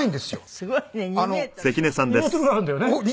すごいね。